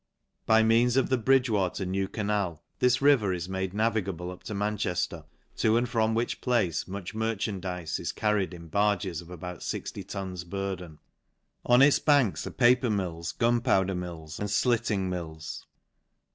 By means of the Bridgwater new canal, this river is snade navigable up to Manchefier^ to and from which place much merchandize is carried in barges of about liJfty tons burden. On its banks are paper mills, gunpowder mills, and flitting mills.